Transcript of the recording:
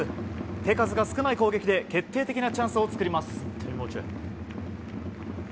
手数が少ない攻撃で決定的なチャンスを作ります。